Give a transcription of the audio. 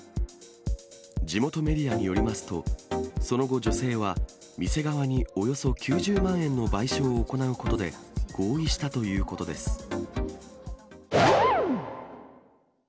地元メディアによりますと、その後、女性は店側におよそ９０万円の賠償を行うことで、合意したということです。